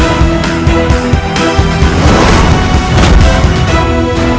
ayah sudah berhujang berharga